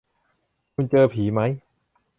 คุณเจอผีมั้ย